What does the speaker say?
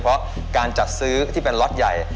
เพราะการจัดซื้อที่เป็นล็อตใหญ่